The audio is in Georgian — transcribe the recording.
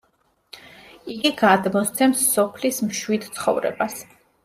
იგი გადმოსცემს სოფლის მშვიდ ცხოვრებას.